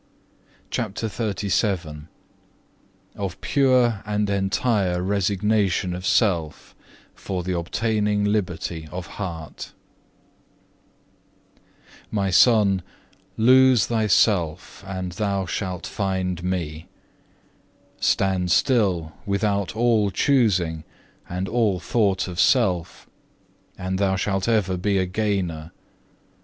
(1) 1 Corinthians ix. 22. (2) 1 Corinthians iv. 3. CHAPTER XXXVII Of pure and entire resignation of self, for the obtaining liberty of heart "My Son, lose thyself and thou shalt find Me. Stand still without all choosing and all thought of self, and thou shalt ever be a gainer.